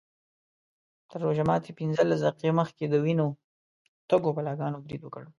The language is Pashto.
تر روژه ماتي پینځلس دقیقې مخکې د وینو تږو بلاګانو برید وکړ.